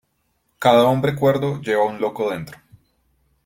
Cada hombre cuerdo lleva un loco dentro.